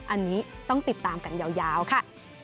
อันนี้ต้องติดตามกันยาวค่ะ